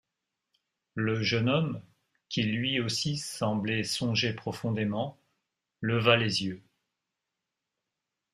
Le jeune homme qui, lui aussi, semblait songer profondément, leva les yeux.